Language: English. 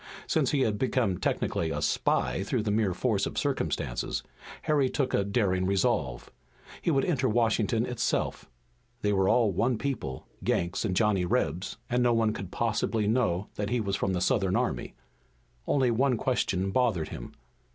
Since he had become technically a spy through the mere force of circumstances, Harry took a daring resolve. He would enter Washington itself. They were all one people, Yanks and Johnny Rebs, and no one could possibly know that he was from the Southern army. Only one question bothered him.